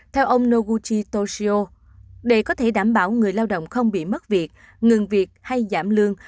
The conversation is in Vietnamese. theo ông noguchi toshio để có thể đảm bảo người lao động không bị mất việc ngừng việc hay giảm lương